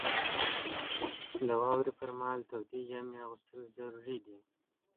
• د واورې پر مهال تودې جامې اغوستل ضروري دي.